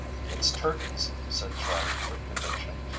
"It's turkeys," said Charley, with conviction.